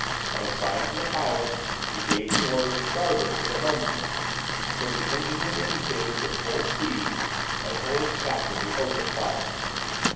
On a sign from the pilot, he gave the order, "Starboard!" to the helmsman, put the engine room indicator to "Full speed," and told his captain to open fire.